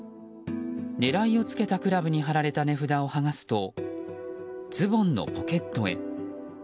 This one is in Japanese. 狙いをつけたクラブに貼られた値札をはがすとズボンのポケットへ。